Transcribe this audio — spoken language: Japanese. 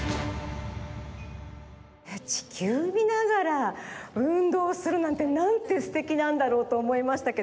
ちきゅうみながら運動するなんてなんてすてきなんだろうとおもいましたけど。